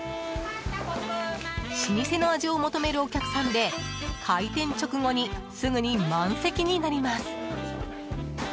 老舗の味を求めるお客さんで開店直後にすぐに満席になります。